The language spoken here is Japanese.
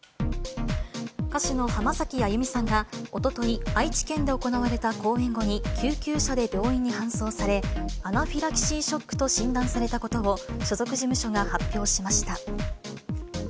歌手の浜崎あゆみさんがおととい、愛知県で行われた公演後に救急車で病院に搬送され、アナフィラキシーショックと診断されたことを、所属事務所が発表しました。